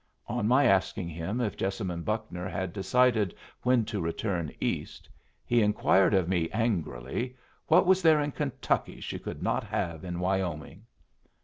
On my asking him if Jessamine Buckner had decided when to return east, he inquired of me, angrily, what was there in Kentucky she could not have in Wyoming?